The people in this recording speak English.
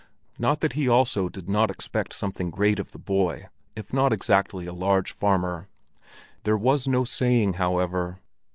Not that he also did not expect something great of the boy, if not exactly a large farmer. There was no saying, however.